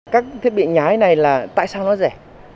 các thiết bị nhái này là tại sao nó rẻ